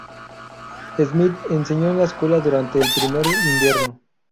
Smith enseñó en la escuela durante el primer invierno.